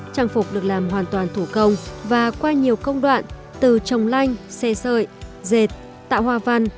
trang phục được làm hoàn toàn thủ công và qua nhiều công đoạn từ trồng lanh xe sợi dệt tạo hoa văn